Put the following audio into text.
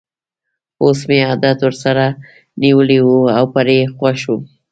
اوس مې عادت ورسره نیولی وو او پرې خوښ وم.